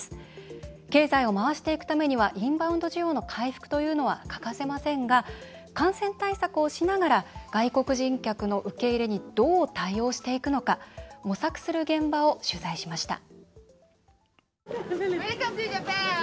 経済を回していくためにはインバウンド需要の回復というのは欠かせませんが感染対策をしながら、外国人客の受け入れにどう対応していくのか模索する現場を取材しました。